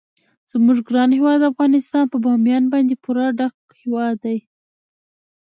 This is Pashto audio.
زموږ ګران هیواد افغانستان په بامیان باندې پوره ډک هیواد دی.